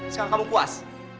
sekarang kamu kuas